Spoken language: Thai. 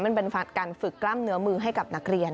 มันเป็นการฝึกกล้ามเนื้อมือให้กับนักเรียน